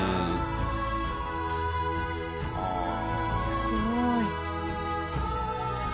すごい。